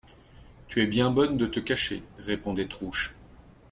Tu es bien bonne de te cacher, répondait Trouche.